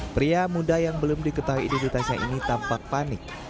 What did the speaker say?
pria muda yang belum diketahui identitasnya ini tampak panik